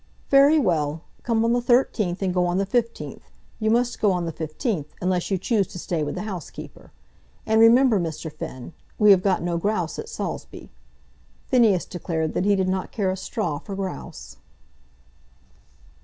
"Very well; come on the 13th and go on the 15th. You must go on the 15th, unless you choose to stay with the housekeeper. And remember, Mr. Finn, we have got no grouse at Saulsby." Phineas declared that he did not care a straw for grouse.